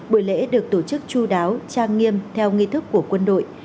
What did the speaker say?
buổi lễ được tổ chức chú đáo trang nghiêm theo nghi thức của quân đội